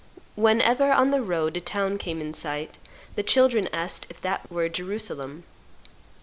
Whenever, on their road, a town came in sight, the children asked if that were Jerusalem.